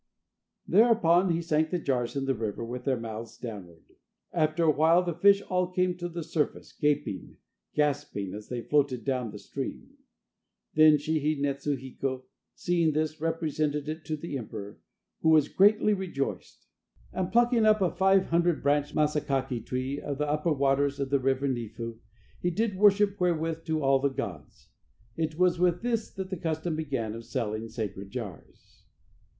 Thereupon he sank the jars in the river with their mouths downward. After a while the fish all came to the surface gaping, gasping as they floated down the stream. Then Shihi netsu hiko, seeing this, represented it to the emperor, who was greatly rejoiced, and plucking up a five hundred branched masakaki tree of the upper waters of the River Nifu, he did worship therewith to all the gods. It was with this that the custom began of selling sacred jars.